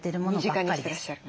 身近にしてらっしゃる。